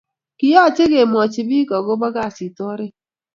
Kiyache kimwachi pik ako bo kasit oret